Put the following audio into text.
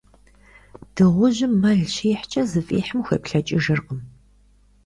Дыгъужьым мэл щихькӀэ, зыфӀихьым хуеплъэкӀыжыркъым.